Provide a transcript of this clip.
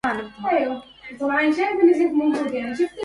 صبرا على أشياء كلفتها أعقبتها الآن وسلفتها